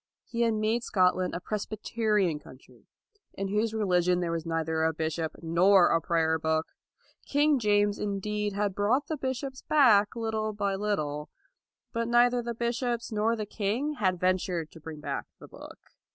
He had made Scotland a Presbyterian country, in whose religion there was neither a bishop nor a prayer book. King James, indeed, had brought the bishops back, little by little; but neither the bishops nor the king had ventured to bring back the book.